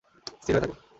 স্থির হয়ে থাকো।